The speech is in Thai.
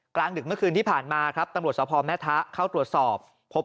กลางดึกเมื่อคืนที่ผ่านมาครับตำรวจสภแม่ทะเข้าตรวจสอบพบ